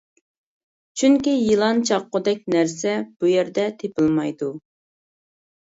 چۈنكى يىلان چاققۇدەك نەرسە بۇ يەردە تېپىلمايدۇ.